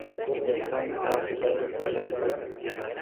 The sum of their fears.